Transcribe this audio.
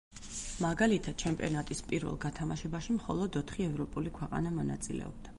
მაგალითად, ჩემპიონატის პირველ გათამაშებაში მხოლოდ ოთხი ევროპული ქვეყანა მონაწილეობდა.